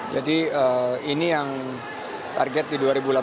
jadi ini yang target di dua ribu delapan belas